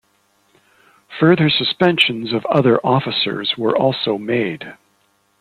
Further suspensions of other officers were also made.